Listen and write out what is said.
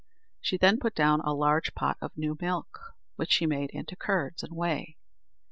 She then put down a large pot of new milk, which she made into curds and whey.